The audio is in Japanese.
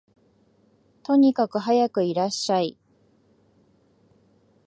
とにかくはやくいらっしゃい